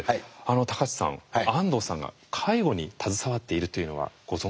高知さん安藤さんが介護に携わっているというのはご存じでした？